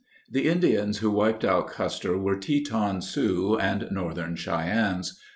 The Indians who wiped out Custer were Teton Sioux and Northern Cheyennes.